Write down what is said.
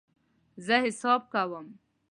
زه حساب کوم